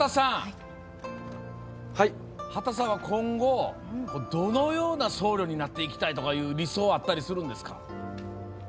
秦さんは、今後どのような僧侶になっていきたいとかいう理想あったりするんですか？